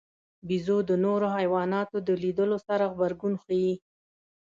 بیزو د نورو حیواناتو د لیدلو سره غبرګون ښيي.